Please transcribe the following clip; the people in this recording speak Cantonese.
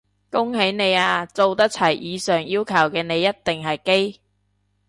恭喜你啊，做得齊以上要求嘅你一定係基！